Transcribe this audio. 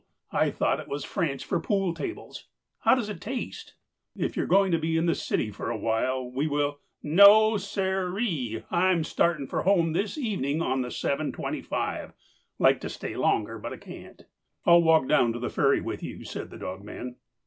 I thought it was French for pool tables. How does it taste?" "If you're going to be in the city for awhile we will—" "No, sir ee. I'm starting for home this evening on the 7.25. Like to stay longer, but I can't." "I'll walk down to the ferry with you," said the dogman.